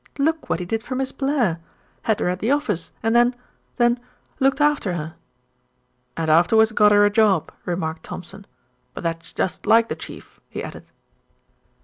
"Look what he did for Miss Blair. Had her at the office and then then looked after her." "And afterwards got her a job," remarked Thompson. "But that's just like the Chief," he added.